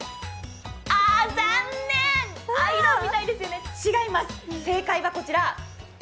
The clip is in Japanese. あー、残念、アイロンみたいですよね、違います、正解はこちら。